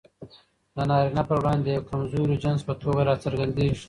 د نارينه پر وړاندې د يوه کمزوري جنس په توګه راڅرګندېږي.